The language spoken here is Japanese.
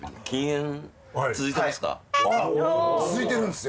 あっ続いてるんですよ